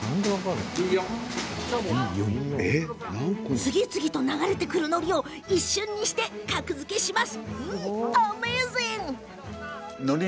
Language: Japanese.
次々と流れてくるのりを一瞬にして格付けします。